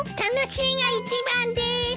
楽しいが一番です。